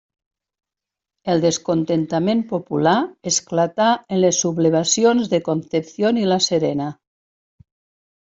El descontentament popular esclatà en les sublevacions de Concepción i la Serena.